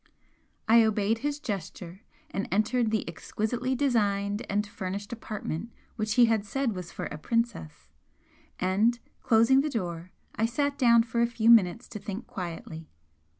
I obeyed his gesture, and entered the exquisitely designed and furnished apartment which he had said was for a 'princess,' and closing the door I sat down for a few minutes to think quietly.